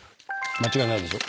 間違いないでしょ？